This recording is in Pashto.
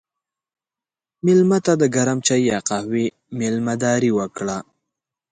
مېلمه ته د ګرم چای یا قهوې میلمهداري وکړه.